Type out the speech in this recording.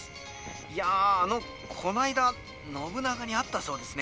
いやあのこの間信長に会ったそうですね。